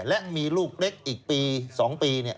และมีลูกเล็กอีกปี๒ปี